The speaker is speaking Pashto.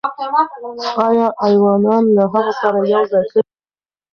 آیا ایوانان له هغه سره یو ځای تللي وو؟